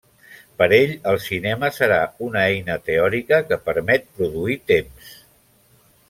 Per ell el cinema serà una eina teòrica, que permet produir temps.